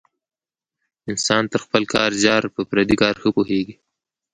انسان تر خپل کار زیات په پردي کار ښه پوهېږي.